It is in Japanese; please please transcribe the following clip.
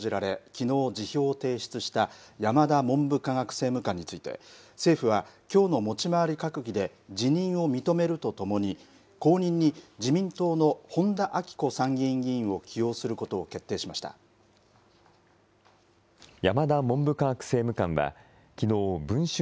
きのう辞表を提出した山田文部科学政務官について政府は、きょうの持ち回り閣議で辞任を認めるとともに後任に自民党の本田顕子参議院議員を山田文部科学政務官はきのう、文春